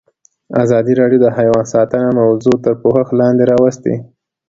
ازادي راډیو د حیوان ساتنه موضوع تر پوښښ لاندې راوستې.